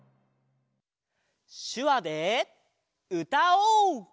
しゅわでうたおう！